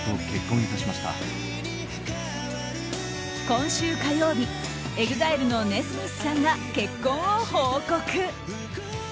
今週火曜日、ＥＸＩＬＥのＮＥＳＭＩＴＨさんが結婚を報告。